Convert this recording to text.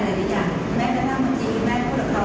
เขามีสุขภักด์ทางจิตที่ปลิมเป็นโรคซึมเศร้าอยู่